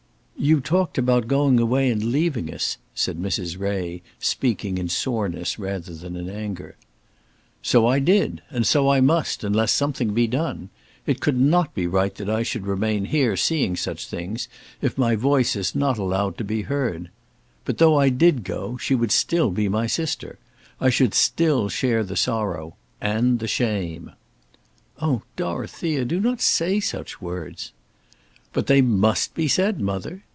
"You talked about going away and leaving us," said Mrs. Ray, speaking in soreness rather than in anger. "So I did; and so I must, unless something be done. It could not be right that I should remain here, seeing such things, if my voice is not allowed to be heard. But though I did go, she would still be my sister. I should still share the sorrow, and the shame." "Oh, Dorothea, do not say such words." "But they must be said, mother.